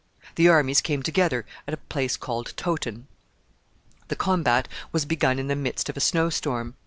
The armies came together at a place called Towton. The combat was begun in the midst of a snow storm.